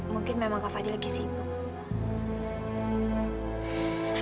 mungkin memang kak fadil lagi sibuk